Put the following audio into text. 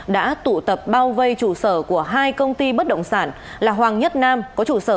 đã tụ tập bao vây chủ sở của hai công ty bất động sản là hoàng nhất nam có trụ sở